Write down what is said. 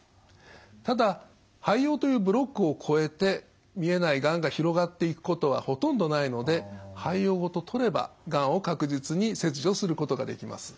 ただ肺葉というブロックを越えて見えないがんが広がっていくことはほとんどないので肺葉ごと取ればがんを確実に切除することができます。